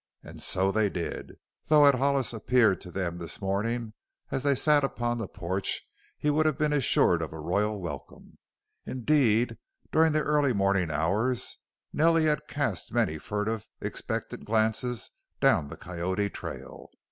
And so they did, though had Hollis appeared to them this morning as they sat upon the porch he would have been assured of a royal welcome. Indeed, during the early morning hours Nellie had cast many furtive, expectant glances down the Coyote trail.